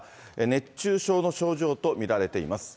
熱中症の症状と見られています。